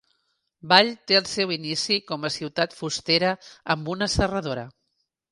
Ball te el seu inici com a ciutat fustera amb una serradora.